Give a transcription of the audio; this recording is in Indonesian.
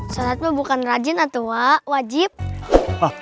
sholatnya bukan rajin atau wajib wak